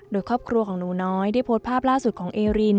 โดยครอบครัวของหนูน้อยได้โพสต์ภาพล่าสุดของเอริน